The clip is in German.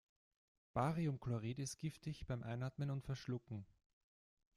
Bariumchlorid ist giftig beim Einatmen und Verschlucken.